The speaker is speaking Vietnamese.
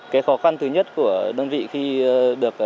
cái khó khăn thứ nhất của đơn vị khi được